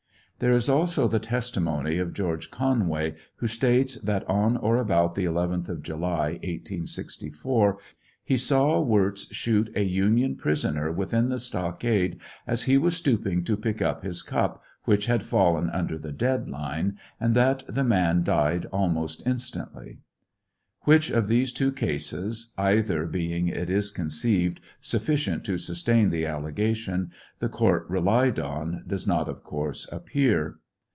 There is also the testimony of George Conway, who states, that on or about the 11th of July, 1864, he saw Wirz shoot a Union prisoner within the stockade as he was stooping to pick up his cup, which had fallen under the dead line, and that the man died almost instantly. Which of these two cases (either being, it is conceived, sufficient to sustain the allegation) the court relied on, does not, of course, appear.